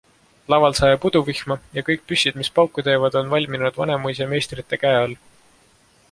Laval sajab uduvihma ja kõik püssid, mis pauku teevad, on valminud Vanemuise meistrite käe all.